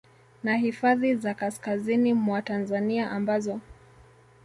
na hifadhi za kaskazi mwa Tanzania ambazo